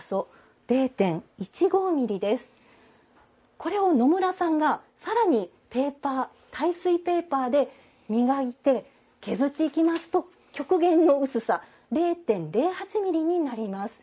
これを野村さんが更にペーパー耐水ペーパーで磨いて削っていきますと極限の薄さ０．０８ミリになります。